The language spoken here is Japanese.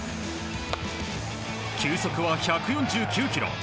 球速は１４９キロ。